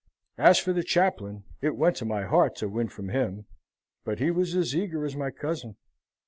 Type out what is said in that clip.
As for the chaplain, it went to my heart to win from him, but he was as eager as my cousin."